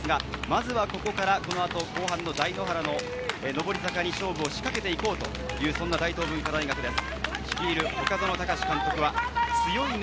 まずはここからこのあと後半の台原の上り坂に勝負を仕掛けていこうという、そんな大東文化大学です。